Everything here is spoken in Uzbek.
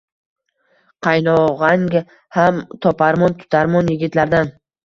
Qaynog‘ang ham toparmon-tutarmon yigitlardan